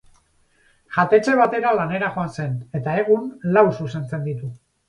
Jatetxe batera lanera joan zen, eta, egun, lau zuzentzen ditu.